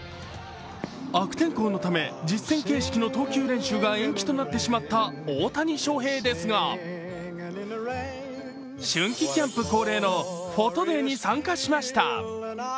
悪天候のため、実戦形式の投球練習が延期となってしまった大谷翔平ですが春季キャンプ恒例のフォトデーに参加しました。